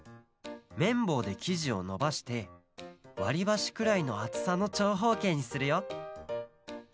めんぼうできじをのばしてわりばしくらいのあつさのちょうほうけいにするよ。